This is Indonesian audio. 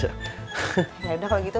yaudah kalau gitu